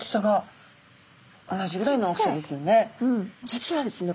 実はですね